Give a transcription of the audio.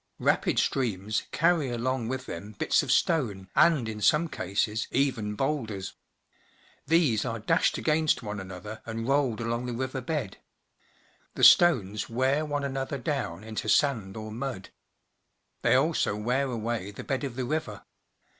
Rapid streams carry along with them bits of stone, and in some cases, even boulders. These are dashed against one another and rolled along the river bed. The stones wear one another down into sand or mud. They The Peace River, Alberta also wear away the bed of the river.